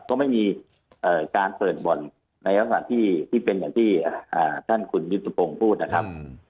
ก็ไม่มีการเปิดบ่นในเวลาที่เป็นอย่างที่ท่านคุณยุติโปรงพูดนะครับ